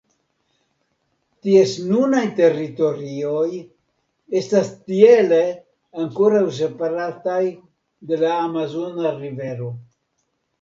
Ties nunaj teritorioj estas tiele ankoraŭ separataj de la Amazona rivero.